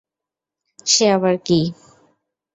সে আবার কী?